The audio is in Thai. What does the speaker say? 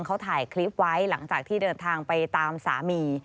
เขาถ่ายคลิปไว้หลังจากที่เดินทางไปตามสามี